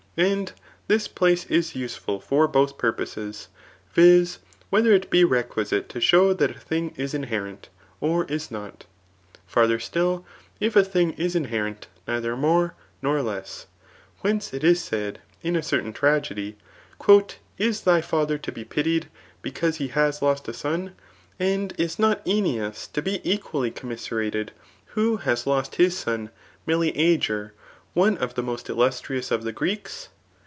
^ And this place b useful for both purposes ; viz. whether it be requisite to show that a thing is inherit, or is not. Farther stiU^ if a thing is inherent neither more nor less ; whence it is said, [in a certain tragedy,] '^ Is thy father to be pitied, becanse he has lost a son, and is not Oeneus to be equally commiserated, who has lost his son Meleager one of the most illustrious of the Greeks